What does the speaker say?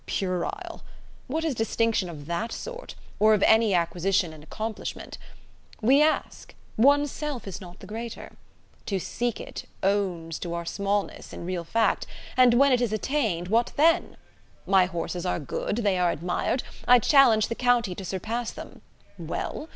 Puerile! What is distinction of that sort, or of any acquisition and accomplishment? We ask! one's self is not the greater. To seek it, owns to our smallness, in real fact; and when it is attained, what then? My horses are good, they are admired, I challenge the county to surpass them: well?